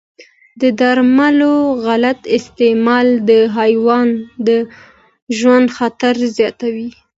د درملو غلط استعمال د حیوان د ژوند خطر زیاتوي.